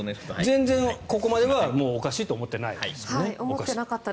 全然ここまではおかしいと思っていなかった。